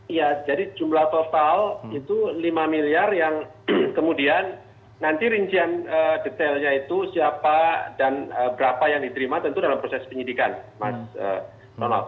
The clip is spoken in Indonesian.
iya jadi jumlah total itu lima miliar yang kemudian nanti rincian detailnya itu siapa dan berapa yang diterima tentu dalam proses penyidikan mas ronald